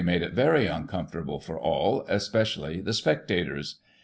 de it very uncomfortable for all, especially the spectators.